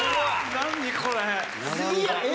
何これ⁉え